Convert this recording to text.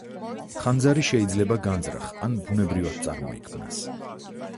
ხანძარი შეიძლება განზრახ ან ბუნებრივად წარმოიქმნას.